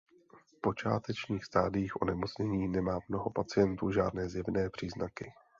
V počátečních stádiích onemocnění nemá mnoho pacientů žádné zjevné příznaky.